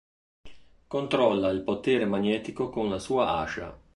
Controlla il potere magnetico con la sua ascia.